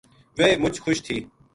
ویہ مُچ خوش تھی